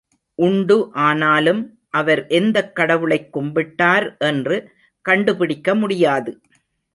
உண்டு ஆனாலும், அவர் எந்தக் கடவுளைக் கும்பிட்டார் என்று கண்டுபிடிக்க முடியாது.